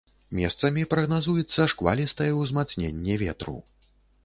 Месцамі прагназуецца шквалістае ўзмацненне ветру.